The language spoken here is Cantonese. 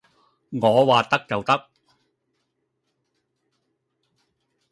我話得就得